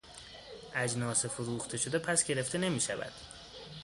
اجناس فروخته شده پس گرفته نمیشود.